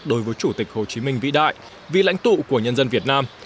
đối với chủ tịch hồ chí minh vĩ đại vị lãnh tụ của nhân dân việt nam